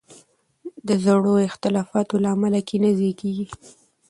د زړو اختلافاتو له امله کینه زیږیږي.